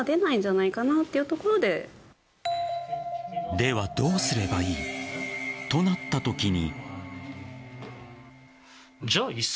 ではどうすればいいとなったときに。